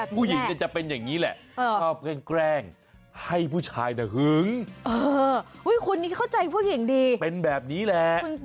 ผู้หญิงจะเป็นอย่างนี้แหละ